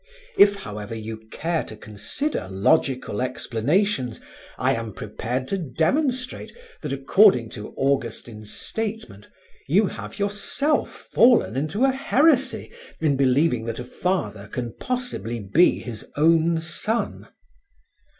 If, however, you care to consider logical explanations, I am prepared to demonstrate that, according to Augustine's statement, you have yourself fallen into a heresy in believing that a father can possibly be his own son."